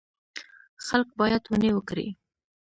خلک باید ونې وکري.